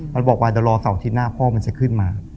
มันบอกว่าเดี๋ยวรอเสาร์อาทิตย์หน้าพ่อมันจะขึ้นมา